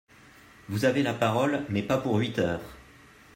Vous avez la parole, mais pas pour huit heures